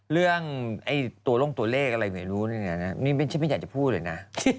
เรื่องตัวลงตัวเลขอะไรไม่รู้เนี่ยนะฉันไม่อยากจะพูดเลยนะ